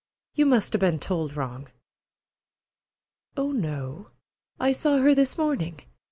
You must 'a' ben told wrong." "Oh, no; I saw her this morning.